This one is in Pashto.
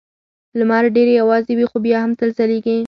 لمر ډېر یوازې وي خو بیا هم تل ځلېږي.